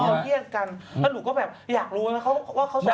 ถ้าหนูก็แบบอยากรู้ว่าเขาส่งมายยังไง